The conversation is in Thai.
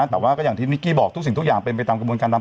แต่ว่าก็อย่างที่นิกกี้บอกทุกสิ่งทุกอย่างเป็นไปตามกระบวนการตาม